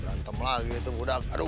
berantem lagi itu udah aduh